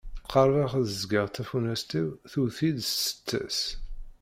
Qerbeɣ ad d-ẓgeɣ tafunast-iw tewwet-iyi-d s tseṭṭa-s.